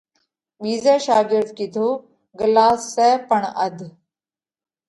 ٻِيزئہ شاڳرڌ ڪِيڌو: ڳِلاس سئہ پڻ اڌ۔